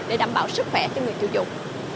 để đảm bảo sức khỏe cho người chủ dụng